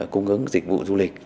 cung ứng dịch vụ du lịch